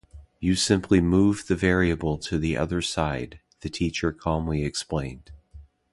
"You simply move the variable to the other side", the teacher calmly explained.